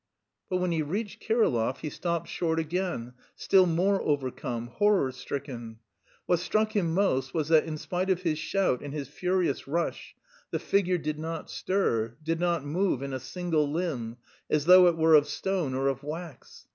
But when he reached Kirillov he stopped short again, still more overcome, horror stricken. What struck him most was that, in spite of his shout and his furious rush, the figure did not stir, did not move in a single limb as though it were of stone or of wax.